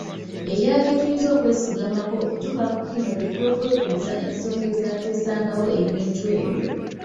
Ekirala kye tuyinza okwesigamako okutuuka ku kino ky’okyokwebuuza ensonga ezateesangawo ebintu ebyo